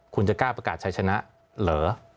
คุณจะกล้าประกาศใช้ชนะเหรอ